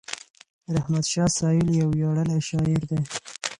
رحمت شاه سایل یو ویاړلی شاعر دی.